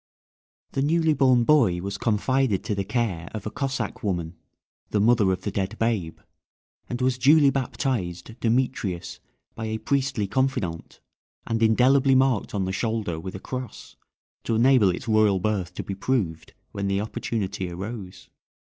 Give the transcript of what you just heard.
The newly born boy was confided to the care of a Cossack woman, the mother of the dead babe, and was duly baptized Demetrius by a priestly confidant, and indelibly marked on the shoulder with a cross, to enable its royal birth to be proved when the opportunity arose.